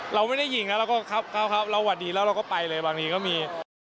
เราไม่ได้ยิงแล้วเราก็ครับเราหวัดดีแล้วเราก็ไปเลยบางทีก็มี